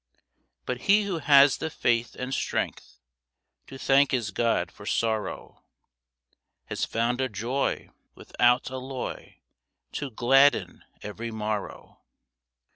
But he who has the faith and strength To thank his God for sorrow Has found a joy without alloy To gladden every morrow.